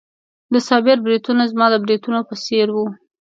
د صابر بریتونه زما د بریتونو په څېر وو.